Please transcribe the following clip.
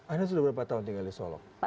anda sudah beberapa tahun tinggal di solok